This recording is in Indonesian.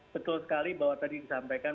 betul sekali bahwa tadi disampaikan